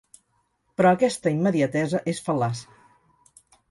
Però aquesta immediatesa és fal·laç.